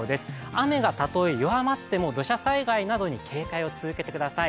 雨がたとえ弱まっても、土砂災害などに警戒を続けてください。